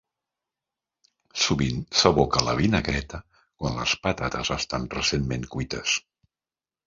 Sovint s'aboca la vinagreta quan les patates estan recentment cuites.